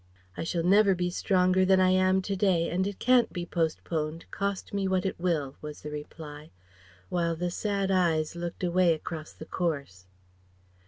"I shall never be stronger than I am to day and it can't be postponed, cost me what it will," was the reply, while the sad eyes looked away across the course.